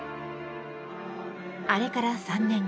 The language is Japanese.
あれから３年。